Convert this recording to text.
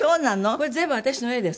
これ全部私の絵です。